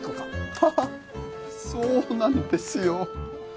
ハハそうなんですよ